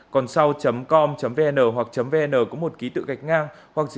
còn sau com vn hoặc vn có một ký tự gạch ngang hoặc